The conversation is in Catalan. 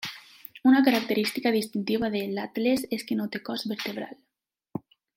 Una característica distintiva de l'atles és que no té cos vertebral.